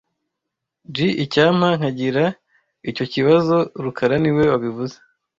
Gee, Icyampa nkagira icyo kibazo rukara niwe wabivuze